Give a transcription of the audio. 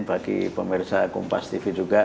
bagi pemirsa kompas tv juga